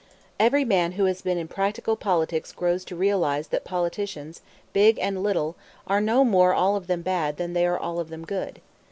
Every man who has been in practical politics grows to realize that politicians, big and little, are no more all of them bad than they are all of them good.